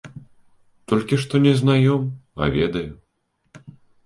Толькі што не знаём, а ведаю.